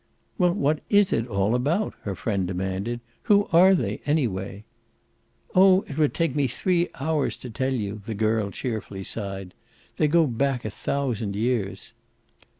"Well, what is it all about?" her friend demanded. "Who are they anyway?" "Oh it would take me three hours to tell you," the girl cheerfully sighed. "They go back a thousand years."